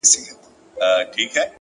هره تجربه نوی اړخ ښکاره کوي،